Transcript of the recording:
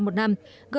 grdp bình quân